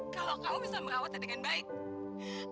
kalau kamu bisa merawatnya dengan baik